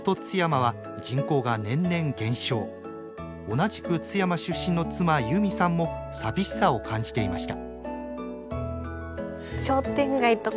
同じく津山出身の妻友美さんも寂しさを感じていました。